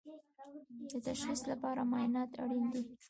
د تشخیص لپاره معاینات اړین دي